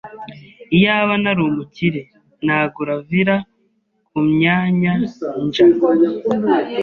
Iyaba nari umukire, nagura villa kumyanyanja.